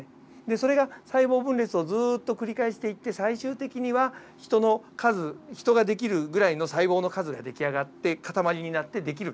それが細胞分裂をずっと繰り返していって最終的にはヒトの数ヒトができるぐらいの細胞の数ができあがって塊になってできる。